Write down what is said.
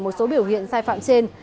một số biểu hiện sai phạm trên